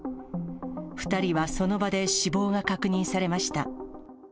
２人はその場で死亡が確認されました。